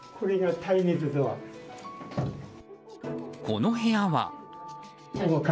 この部屋は。